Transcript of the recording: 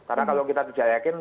karena kalau kita tidak yakin